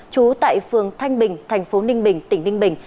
trú tại phường thanh bình thành phố ninh bình tỉnh ninh bình